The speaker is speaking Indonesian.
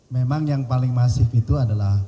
memang yang paling masif itu adalah